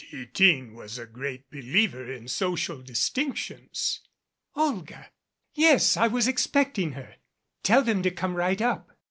Titine was a great believer in social dis tinctions. "Olga ! Yes, I was expecting her. Tell them to come right up."